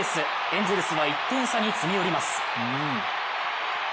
エンゼルスは１点差に詰め寄ります